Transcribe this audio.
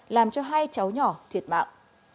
làm cho hai cháu nhỏ thiệt mạng